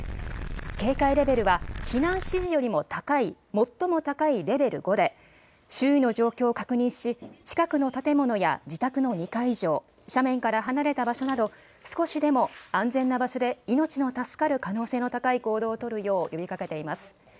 警戒レベルは避難指示よりも高い最も高いレベル５で、周囲の状況を確認し、近くの建物や自宅の２階以上、斜面から離れた場所など、少しでも安全な場所で命の助かる可能性の高い行動を取るよう呼びかけています。